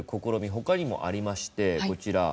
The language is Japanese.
他にもありまして、こちら。